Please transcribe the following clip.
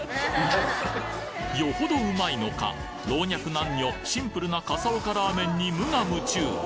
よほどうまいのか老若男女シンプルな笠岡ラーメンに無我夢中！